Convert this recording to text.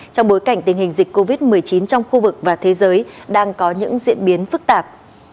trong bối cảnh tình hình dịch covid một mươi chín trong khu vực và thế giới đang có những diễn biến phức tạp